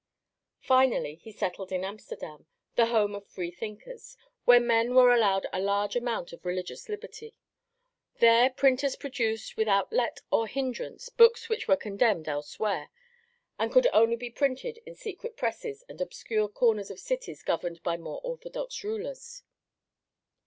Finally he settled in Amsterdam, the home of free thinkers, where men were allowed a large amount of religious liberty; there printers produced without let or hindrance books which were condemned elsewhere and could only be printed in secret presses and obscure corners of cities governed by more orthodox rulers.